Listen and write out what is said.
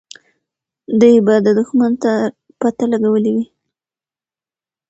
دوی به دښمن ته پته لګولې وي.